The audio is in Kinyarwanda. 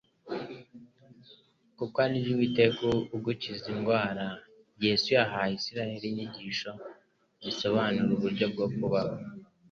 Kuko ari jyeUwiteka ugukiza indwara » Yesu yahaye Isiraeli inyigisho zisobanura uburyo bwo kubaho,